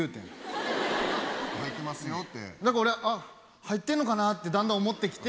だから俺入ってんのかなってだんだん思ってきて。